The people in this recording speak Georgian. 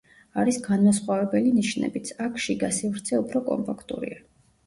არის განმასხვავებელი ნიშნებიც: აქ შიგა სივრცე უფრო კომპაქტურია.